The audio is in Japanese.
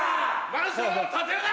マンションを建てるな！